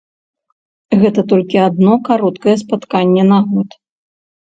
Гэта толькі адно кароткае спатканне на год.